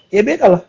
ya beda lah